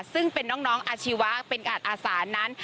ซึ่งเป็นน้องอาชีวะเป็นอาจอาสานั้น